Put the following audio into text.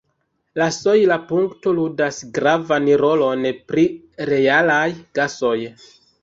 La sojla punkto ludas gravan rolon pri realaj gasoj.